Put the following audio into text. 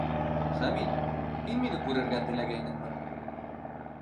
Хәмит, һин мине күрергә теләгәйнеңме?